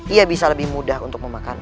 ia bisa lebih mudah untuk memakan